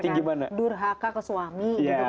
sering kita mendengarkan durhaka ke suami